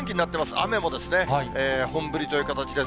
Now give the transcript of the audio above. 雨も本降りという形です。